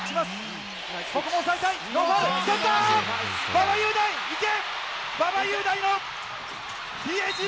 馬場雄大、いけ！